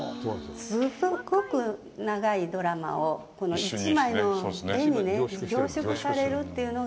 すごく長いドラマを１枚の絵にね、凝縮されるというのが。